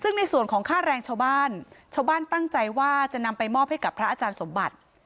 ซึ่งในส่วนของค่าแรงชาวบ้านชาวบ้านชาวบ้านตั้งใจว่าจะนำไปมอบให้กับพระอาจารย์สมบัติ